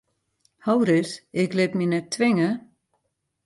Ho ris, ik lit my net twinge!